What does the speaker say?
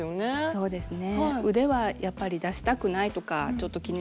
そうですね。